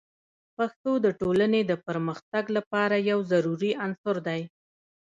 پښتو د ټولنې د پرمختګ لپاره یو ضروري عنصر دی.